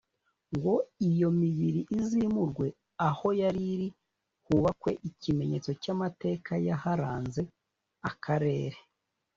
ngo iyo mibiri izimurwe aho yari iri hubakwe ikimenyetso cy amateka yaharanze akarere